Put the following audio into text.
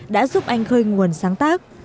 đã giúp anh khơi nguồn sáng tác